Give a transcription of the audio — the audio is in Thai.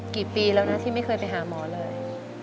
กี่ปีแล้วนะที่ไม่เคยไปหาหมอเลย